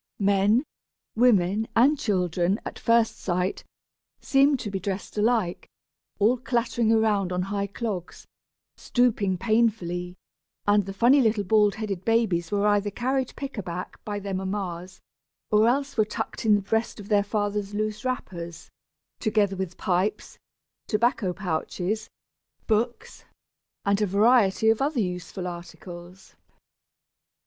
Men, women, and children, at first sight, seemed to be dressed alike, all clattering around on high clogs, stooping painfully; and the funny little bald headed babies were either carried pick a back by their mammas, or else were tucked in the breast of their fathers' loose wrappers, together with pipes, tobacco pouches, books, and a variety of other useful articles.